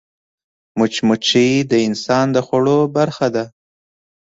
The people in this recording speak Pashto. مچمچۍ د انسان د خوړو برخه ده